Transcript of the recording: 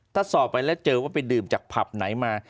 ถ้าสอบไปแล้วเจอว่าไปดื่มจากผับไหนมา